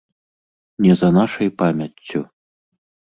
Не за нашай памяццю.